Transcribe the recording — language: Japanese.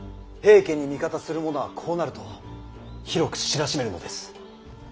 平家に味方する者はこうなると広く知らしめるのです。